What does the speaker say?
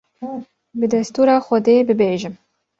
bi destûra Xwedê bibêjim